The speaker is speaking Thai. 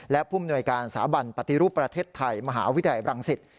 และผู้มนวยการสาบันปฏิรูปประเทศไทยมหาวิทยาลัยบรังสิต